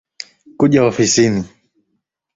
Kuja ofisini